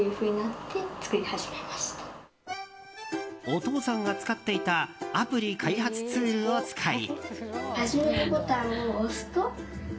お父さんが使っていたアプリ開発ツールを使い。